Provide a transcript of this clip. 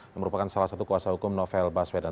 yang merupakan salah satu kuasa hukum novel baswedan